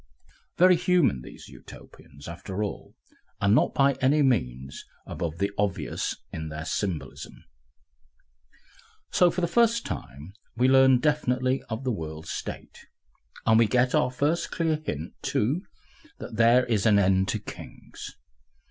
Very human these Utopians, after all, and not by any means above the obvious in their symbolism! So for the first time we learn definitely of the World State, and we get our first clear hint, too, that there is an end to Kings.